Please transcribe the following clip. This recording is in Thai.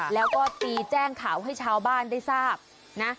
แล้วก็ตีแจ้งข่าวให้ชาวบ้านได้ทราบนะ